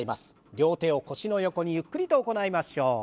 両手を腰の横にゆっくりと行いましょう。